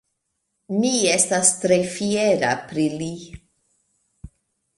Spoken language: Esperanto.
Mi estas tre fiera pri li.